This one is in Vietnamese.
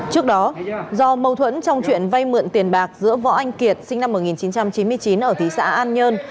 trước đó do mâu thuẫn trong chuyện vay mượn tiền bạc giữa võ anh kiệt sinh năm một nghìn chín trăm chín mươi chín ở thị xã an nhơn